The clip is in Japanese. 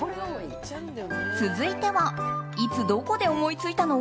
続いてはいつどこで思いついたの？